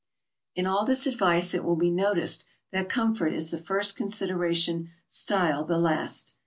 In all this advice it will be noticed that comfort is the first consideration style the last.